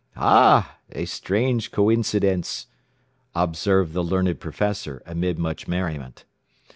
"Ah! A strange coincidence," observed the learned professor amid much merriment.